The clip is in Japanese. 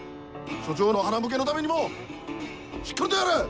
署長のはなむけのためにもしっかりとやれ！